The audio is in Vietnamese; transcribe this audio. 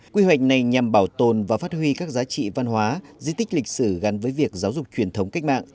quy hoạch này nhằm bảo tồn và phát huy các giá trị văn hóa di tích lịch sử gắn với việc giáo dục truyền thống cách mạng